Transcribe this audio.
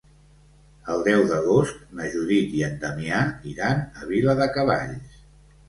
El deu d'agost na Judit i en Damià iran a Viladecavalls.